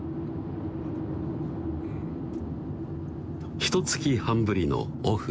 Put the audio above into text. ひと月半ぶりのオフ